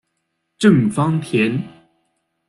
郑芳田。